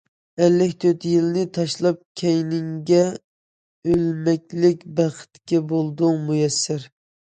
ئەللىك تۆت يىلىڭنى تاشلاپ كەينىڭگە، ئۆلمەكلىك بەختىگە بولدۇڭ مۇيەسسەر.